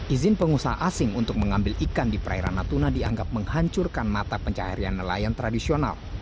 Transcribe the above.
izin pengusaha asing untuk mengambil ikan di perairan natuna dianggap menghancurkan mata pencaharian nelayan tradisional